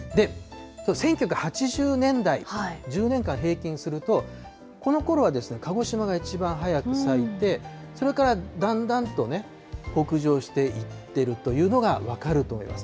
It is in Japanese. １９８０年代、１０年間平均すると、このころは鹿児島がいちばん早く咲いて、それからだんだんとね、北上していっているというのが分かると思います。